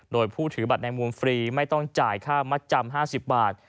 โดยผู้ถือบัตรในมุมฟรีไม่ต้องจ่ายค่ามัดจำ๕๐บาท